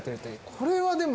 これはでも。